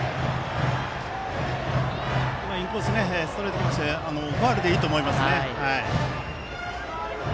今、インコースストレートが来ましたがファウルでいいと思います。